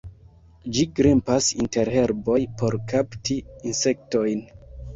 Ĝi grimpas inter herboj por kapti insektojn.